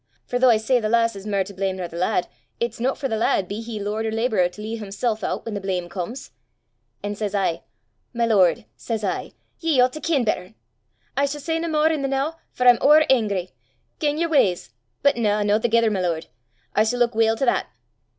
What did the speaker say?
For though I say the lass is mair to blame nor the lad, it's no for the lad, be he lord or labourer, to lea' himsel' oot whan the blame comes. An' says I, 'My lord,' says I, 'ye oucht to ken better! I s' say nae mair i' the noo, for I'm ower angry. Gang yer w'ys but na! no thegither, my lord! I s' luik weel to that!